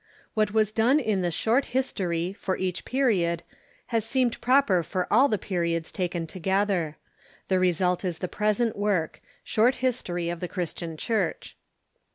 What was done in the Short History for each period has seemed proper for all the periods taken together. The result is the present work — Short History of the Christian Church.